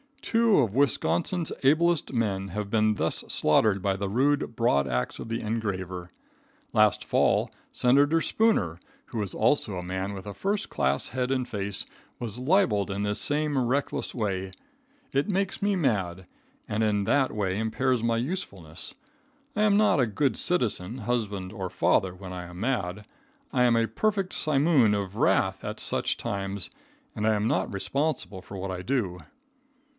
Two of Wisconsin's ablest men have been thus slaughtered by the rude broad axe of the engraver. Last fall, Senator Spooner, who is also a man with a first class head and face, was libeled in this same reckless way. It makes me mad, and in that way impairs my usefulness. I am not a good citizen, husband or father when I am mad. I am a perfect simoom of wrath at such times, and I am not responsible for what I do.